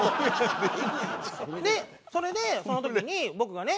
でそれでその時に僕がね